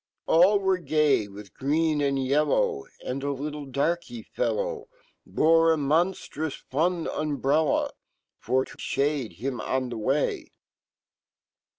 All were gay wifh green and yellow And a little darky fellow Bre amonftrous Inn umbrella, Forto fhade him on fhe way.